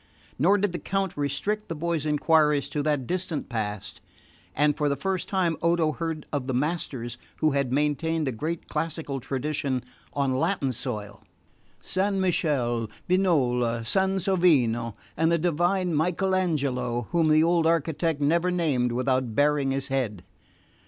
Nor did the Count restrict the boy's enquiries to that distant past; and for the first time Odo heard of the masters who had maintained the great classical tradition on Latin soil: Sanmichele, Vignola, Sansovino, and the divine Michael Angelo, whom the old architect never named without baring his head.